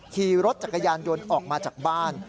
ขี่รถจักรยานยนต์ออกมาจากบ้าน